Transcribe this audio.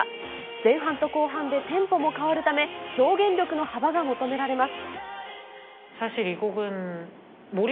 前半と後半でテンポも変わるため、表現力の幅が求められます。